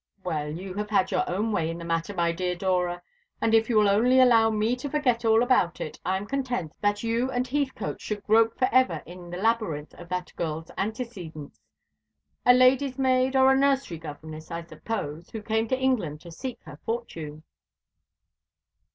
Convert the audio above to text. "Well, you have had your own way in the matter, my dear Dora; and if you will only allow me to forget all about it, I am content that you and Heathcote should grope for ever in the labyrinth of that girl's antecedents. A lady's maid or a nursery governess, I suppose, who came to England to seek her fortune."